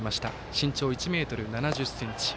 身長１ｍ７０ｃｍ。